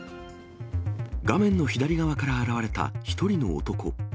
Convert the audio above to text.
画面の左側から現れた１人の男。